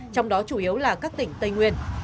trong đó chủ yếu là các tỉnh tây nguyên